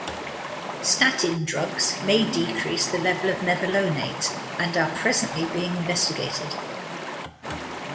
Statin drugs might decrease the level of mevalonate and are presently being investigated.